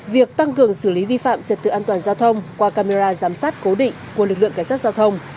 việc tăng cường xử lý vi phạm trật tự an toàn giao thông qua camera giám sát cố định của lực lượng cảnh sát giao thông